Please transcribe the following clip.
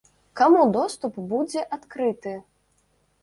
Каму доступ будзе адкрыты?